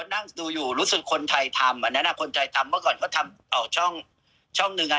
เพราะนั่งดูอยู่รู้สึกคนไทยทำคนไทยทำเมื่อก่อนก็ทำช่องหนึ่ง